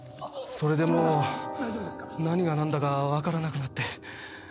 それでもう何がなんだかわからなくなって。